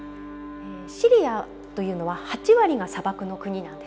シリアというのは８割が砂漠の国なんです。